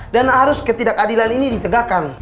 dan harus ketidakadilan ini ditegakkan